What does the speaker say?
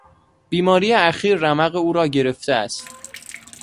بیماری اخیر رمق او را گرفته است.